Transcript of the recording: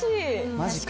マジか。